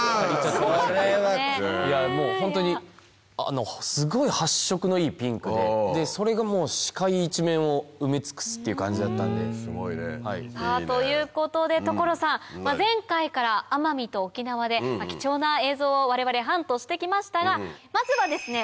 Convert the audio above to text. もうホントにすごい発色のいいピンクでそれがもう視界一面を埋め尽くすっていう感じだったんで。ということで所さん前回から奄美と沖縄で貴重な映像を我々ハントして来ましたがまずはですね